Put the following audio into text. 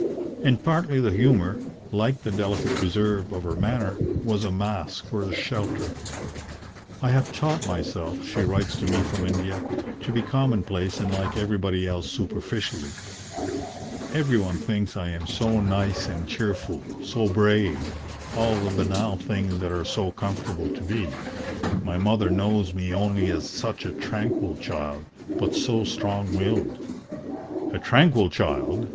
And partly the humour, like the delicate reserve of her manner, was a mask or a shelter. "I have taught myself," she writes to me from India, "to be commonplace and like everybody else superficially. Every one thinks I am so nice and cheerful, so 'brave,' all the banal things that are so comfortable to be. My mother knows me only as 'such a tranquil child, but so strong willed.' A tranquil child!"